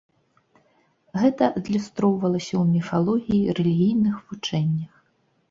Гэта адлюстроўвалася ў міфалогіі, рэлігійных вучэннях.